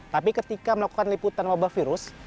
tapi ketika melakukan liputan wabah virus